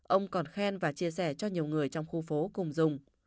ông còn khen và chia sẻ cho nhiều người trong khu phố cùng dùng